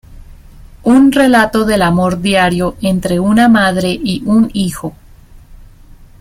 Un relato del amor diario entre una madre y un hijo.